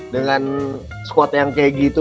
dengan squad yang kayak gitu